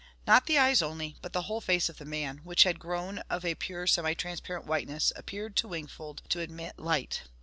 Not the eyes only, but the whole face of the man, which had grown of a pure, semi transparent whiteness, appeared to Wingfold to emit light.